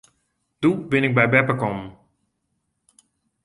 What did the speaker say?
Doe bin ik by beppe kommen.